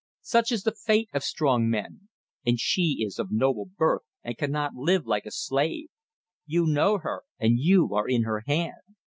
Such is the fate of strong men. And she is of noble birth and cannot live like a slave. You know her and you are in her hand.